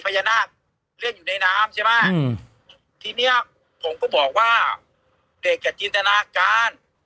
พญานาคเล่นอยู่ในน้ำใช่ไหมทีเนี้ยผมก็บอกว่าเด็กอ่ะจินตนาการ